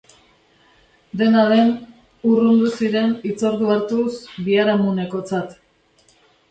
Dena den, urrundu ziren hitzordu hartuz biharamunekotzat.